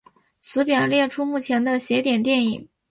此表列出目前的邪典电影。